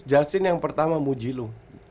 jastin yang pertama muji lo